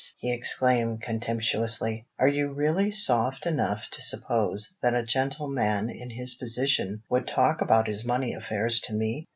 he exclaimed contemptuously. "Are you really soft enough to suppose that a gentleman in his position would talk about his money affairs to me?